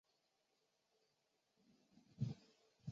北托纳万达是美国纽约州尼亚加拉县的一座城市。